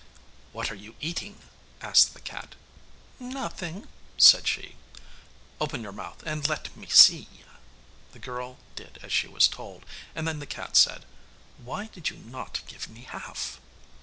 'What are you eating?' asked the cat. 'Nothing,' said she. 'Open your mouth, and let me see.' The girl did as she was told, and then the cat said 'Why did you not give me half?